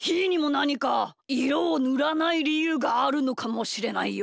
なにかいろをぬらないりゆうがあるのかもしれないよ。